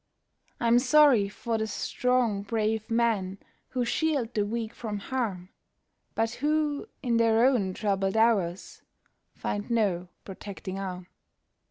I'm sorry for the strong, brave men who shield the weak from harm, But who, in their own troubled hours, find no protecting arm.